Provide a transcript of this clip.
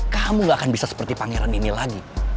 kamu gak akan bisa seperti pangeran ini lagi